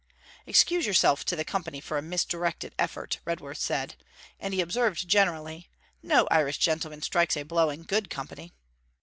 'Excuse yourself to the company for a misdirected effort,' Redworth said; and he observed generally: 'No Irish gentleman strikes a blow in good company.'